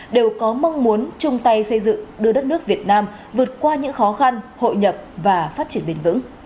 đều có mong muốn chung tay xây dựng đưa đất nước việt nam vượt qua những khó khăn hội nhập và phát triển bền vững